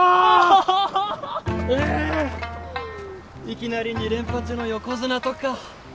いきなり２連覇中の横綱とか。